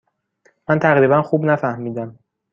من تقریبا خوب نفهمیدم.